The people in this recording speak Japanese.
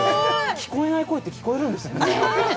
聞こえない声って聞こえるんですね。